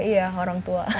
iya orang tua